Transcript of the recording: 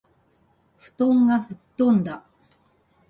布団が吹っ飛んだ。（まじで）